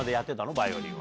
バイオリンは。